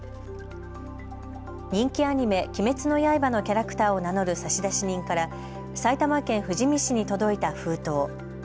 人気アニメ、鬼滅の刃のキャラクターを名乗る差出人から埼玉県富士見市に届いた封筒。